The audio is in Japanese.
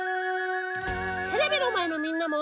テレビのまえのみんなも。